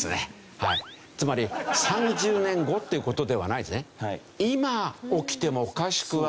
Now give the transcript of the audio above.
つまり３０年後っていう事ではないんですね。